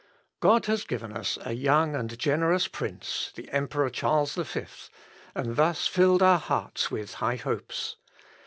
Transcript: God has given us a young and generous prince, (the Emperor Charles V,) and thus filled our hearts with high hopes.